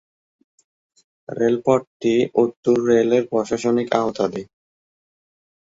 রেলপথটি উত্তর রেলের প্রশাসনিক আওতাধীন।